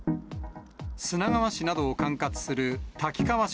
砂川市などを管轄する滝川署